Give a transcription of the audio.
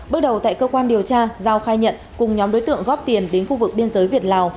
bước đầu tại cơ quan điều tra giao khai nhận cùng nhóm đối tượng góp tiền đến khu vực biên giới việt lào